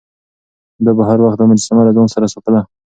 ده به هر وخت دا مجسمه له ځان سره ساتله.